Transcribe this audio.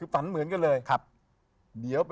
ฝันเหมือนกันเลย